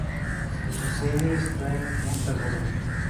Su sede está en Punta Gorda.